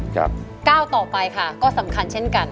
ก้าวต่อไปค่ะก็สำคัญเช่นกัน